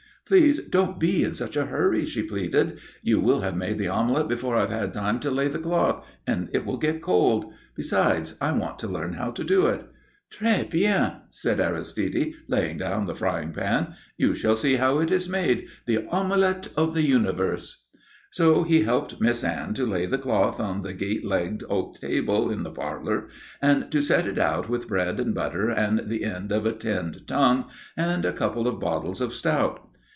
"Please don't be in such a hurry," she pleaded. "You will have made the omelette before I've had time to lay the cloth, and it will get cold. Besides, I want to learn how to do it." "Trés bien," said Aristide, laying down the frying pan. "You shall see how it is made the omelette of the universe." So he helped Miss Anne to lay the cloth on the gate legged oak table in the parlour and to set it out with bread and butter and the end of a tinned tongue and a couple of bottles of stout.